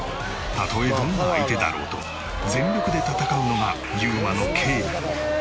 たとえどんな相手だろうと全力で戦うのが侑真の敬意。